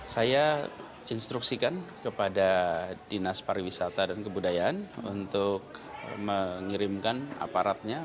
saya instruksikan kepada dinas pariwisata dan kebudayaan untuk mengirimkan aparatnya